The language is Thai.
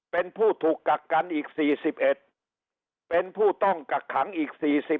เป็นผู้ถูกกักกันอีก๔๑เป็นผู้ต้องกักขังอีก๔๐